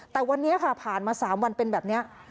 แต่วันนี้ค่ะผ่านมา๓วันเป็นแบบนี้